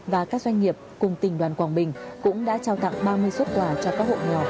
và các doanh nghiệp cùng tỉnh đoàn quảng bình cũng đã trao tặng ba mươi xuất quà cho các hộ nghèo